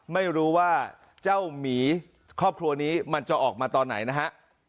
ไม่รู้ว่าเจ้าหมีครอบครัวนี้มันจะออกมาตอนไหนนะฮะ